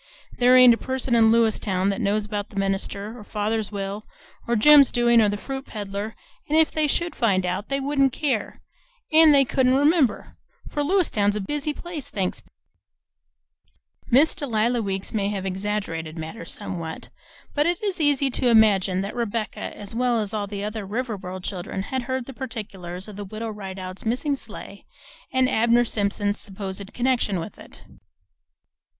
There ain't a person in Lewiston that knows about the minister, or father's will, or Jim's doin's, or the fruit peddler; an' if they should find out, they wouldn't care, an' they couldn't remember; for Lewiston 's a busy place, thanks be!" Miss Delia Weeks may have exaggerated matters somewhat, but it is easy to imagine that Rebecca as well as all the other Riverboro children had heard the particulars of the Widow Rideout's missing sleigh and Abner Simpson's supposed connection with it.